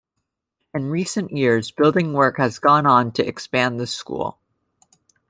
In recent years building work has gone on to expand the school.